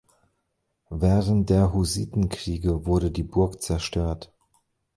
Während der Hussitenkriege wurde die Burg zerstört.